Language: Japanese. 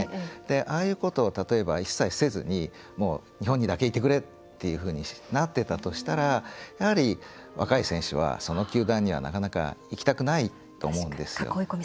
ああいうことを例えば、一切せずに日本にだけ、いてくれってなったとしたらやはり、若い選手はその球団にはなかなか、行きたくないと思うんですよ。